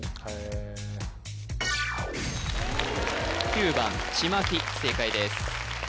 ９番ちまき正解です